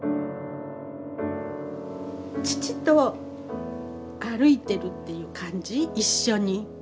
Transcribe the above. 父と歩いてるっていう感じ一緒に。